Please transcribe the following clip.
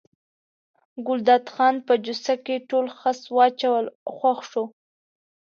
ګلداد خان په جوسه کې ټول خس واچول خوښ شو.